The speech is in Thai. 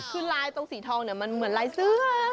คือลายตรงสีทองเนี่ยมันเหมือนลายเสื้อ